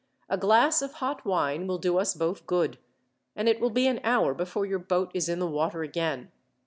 A glass of hot wine will do us both good; and it will be an hour before your boat is in the water again.